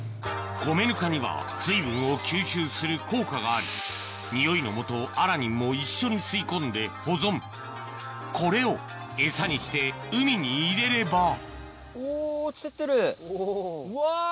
米ヌカには水分を吸収する効果があり匂いのもとアラニンも一緒に吸い込んで保存これをエサにして海に入れればうわ！